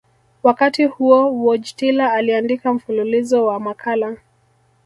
Wakati huo Wojtyla aliandika mfululizo wa makala